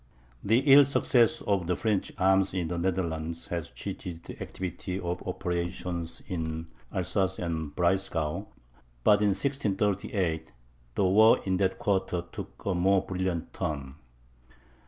The ill success of the French arms in the Netherlands had cheated the activity of operations in Alsace and Breisgau; but in 1638, the war in that quarter took a more brilliant turn.